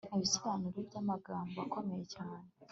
ibisobanuro by'amagambo akomeye cyane